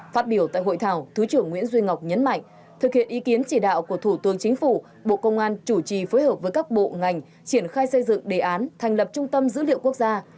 phát biểu tại hội thảo thứ trưởng nguyễn duy ngọc nhấn mạnh thực hiện ý kiến chỉ đạo của thủ tướng chính phủ bộ công an chủ trì phối hợp với các bộ ngành triển khai xây dựng đề án thành lập trung tâm dữ liệu quốc gia